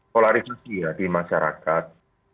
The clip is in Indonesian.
polarisasi ya di masyarakat